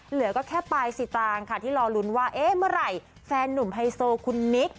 เหลือก็แค่ปายสิตางค่ะที่รอลุ้นว่าเอ๊ะเมื่อไหร่แฟนหนุ่มไฮโซคุณนิก